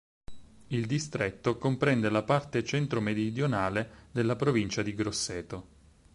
Il distretto comprende la parte centro-meridionale della provincia di Grosseto.